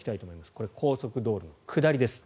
これ、高速道路の下りです。